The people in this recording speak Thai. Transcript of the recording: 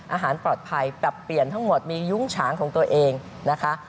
อาหารปลอดภัยปรับเปลี่ยนทั้งหมดมียุ้งฉางของตัวเองนะคะ